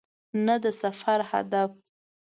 نه د سفر هدف .